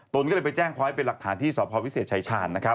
ตนก็เลยไปแจ้งคอยเป็นหลักฐานที่สอบภาวิเศษชัยชาญ